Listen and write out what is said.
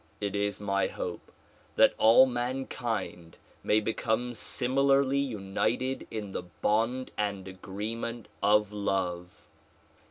It is my hope that all mankind may become similarly united in the bond and agreement of love.